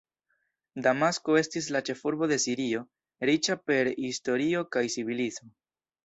Damasko estis la ĉefurbo de Sirio, riĉa per historio kaj civilizo.